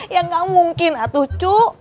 ya gak mungkin tuh cu